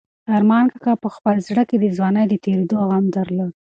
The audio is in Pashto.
ارمان کاکا په خپل زړه کې د ځوانۍ د تېرېدو غم درلود.